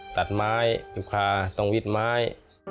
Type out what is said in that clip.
ตัดไม้ยุบคาต้องวิดไม้